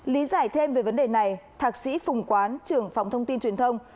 lý giải thêm về vấn đề này thạc sĩ phùng quán trưởng phòng thông tin truyền thông